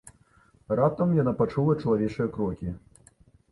Раптам яна пачула чалавечыя крокі.